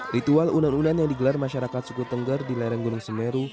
ritual unar ulan yang digelar masyarakat suku tengger di lereng gunung semeru